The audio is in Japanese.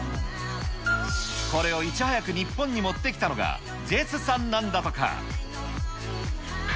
これをいち早く日本に持ってきたのが、ジェスさんなんだとか。